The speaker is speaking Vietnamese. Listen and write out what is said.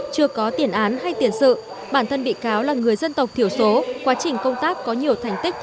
chưa có tiền án hay tiền sự bản thân bị cáo là người dân tộc thiểu số quá trình công tác có nhiều thành tích